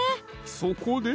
そこで！